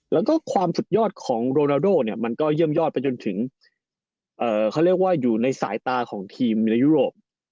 แล้วก็ความสุดยอดของโรนาโดเนี่ยมันก็เยี่ยมยอดไปจนถึงเขาเรียกว่าอยู่ในสายตาของทีมในยุโรป